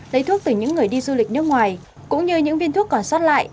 lấy thuốc từ những người đi du lịch nước ngoài cũng như những viên thuốc còn xót lại